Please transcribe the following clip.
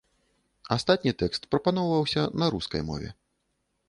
Астатні тэкст прапаноўваўся на рускай мове.